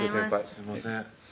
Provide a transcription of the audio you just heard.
すいません